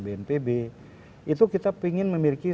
bnpb itu kita ingin memiliki